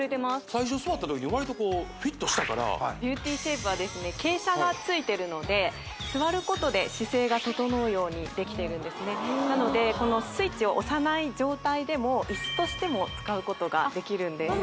最初座った時割とこうフィットしたからビューティーシェイプはですね傾斜がついてるので座ることで姿勢が整うようにできてるんですねなのでこのスイッチを押さない状態でもイスとしても使うことができるんです・